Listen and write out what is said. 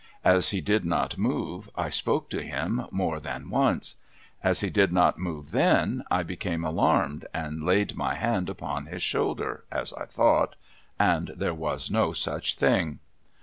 As he did not move, I spoke to him more than once. As he did not move then, I became alarmed and laid my hand upon his shoulder, as I thought — and there was no such thing.